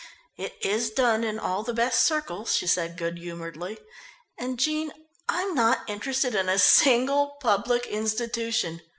"It is done in all the best circles," she said good humouredly. "And, Jean, I'm not interested in a single public institution!